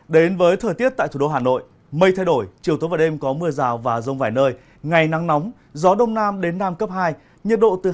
đến với thời tiết tại thủ đô hà nội mây thay đổi chiều tối và đêm có mưa rào và rông vải nơi ngày nắng nóng gió đông nam đến nam cấp hai nhiệt độ từ hai mươi tám ba mươi bảy độ